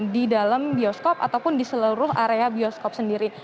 di dalam bioskop ataupun di seluruh area bioskop sendiri